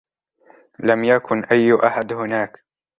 لم يكـن أي أحـد هنـــاك.